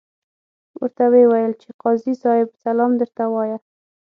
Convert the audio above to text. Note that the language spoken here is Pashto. ورته ویې ویل چې قاضي صاحب سلام درته وایه.